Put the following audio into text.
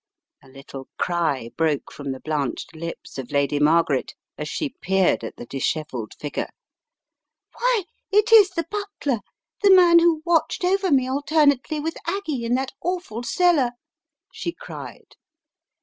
A little cry broke from the blanched lips of Lady Margaret as she peered at the dishevelled figure. "Why, it is the butler, the man who watched over me alternately with Aggie in that awful cellar!" she cried.